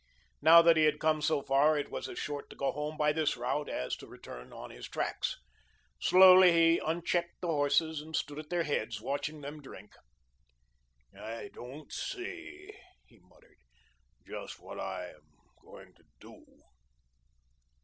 Now that he had come so far it was as short to go home by this route as to return on his tracks. Slowly he unchecked the horses and stood at their heads, watching them drink. "I don't see," he muttered, "just what I am going to do."